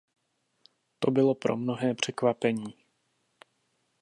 To bylo pro mnohé překvapení.